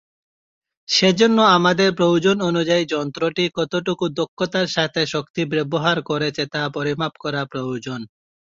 সেজন্য আমাদের প্রয়োজন অনুযায়ী যন্ত্রটি কতটুকু দক্ষতার সাথে শক্তি ব্যবহার করেছে তা পরিমাপ করা প্রয়োজন।